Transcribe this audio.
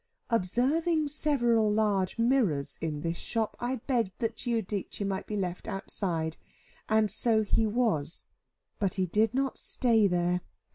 Observing several large mirrors in this shop, I begged that Giudice might be left outside. And so he was, but he did not stay there.